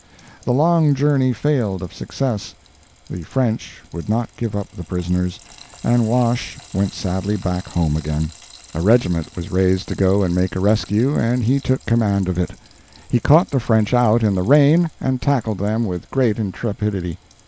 The long journey failed of success; the French would not give up the prisoners, and Wash went sadly back home again. A regiment was raised to go and make a rescue, and he took command of it. He caught the French out in the rain and tackled them with great intrepidity.